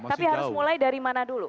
tapi harus mulai dari mana dulu